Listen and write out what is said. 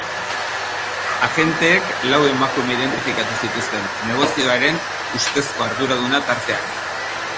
Agenteek lau emakume identifikatu zituzten, negozioaren ustezko arduraduna tartean.